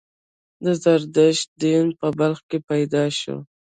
د زردشت دین په بلخ کې پیدا شو